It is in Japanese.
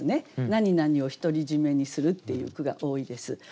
「なになにを独り占めにする」っていう句が多いです。